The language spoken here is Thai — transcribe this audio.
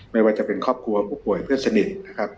ไม่ว่าจะเป็นครอบครัวผู้ป่วยเพื่อนสนิทนะครับ